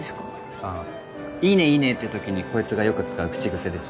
ああ「いいねいいね」って時にこいつがよく使う口癖です。